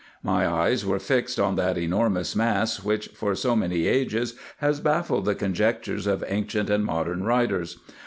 My eyes were fixed on that enormous mass, which for so many ages has baffled the conjectures of ancient and modern writers.